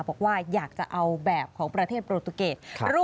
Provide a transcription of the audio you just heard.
บอกว่าอยากจะเอาแบบของประเทศโปรตุเกต